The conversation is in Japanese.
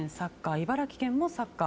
茨城県もサッカー